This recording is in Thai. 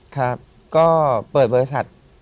ครับก็เปิดบริษัท